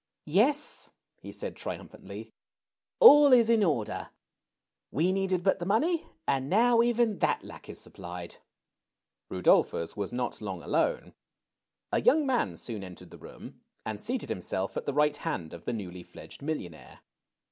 ^^Yes,'' he said triumphantly, ^^all is in order. We needed but the money, and now even that lack is supplied.'' Rudolphus was not long alone. A young man soon entered the room, and seated himself at the right hand of the newly fledged millionaire.